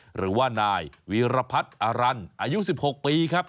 หรือว่านายวีรพัฒน์อรันอายุ๑๖ปีครับ